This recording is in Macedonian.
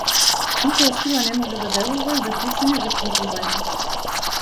Никоја сила не може да делува и да причини закривување.